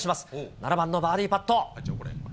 ７番のバーディーパット。